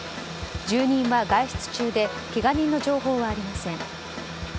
住人は外出中でけが人の情報はありません。